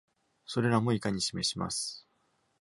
それらも以下に示します。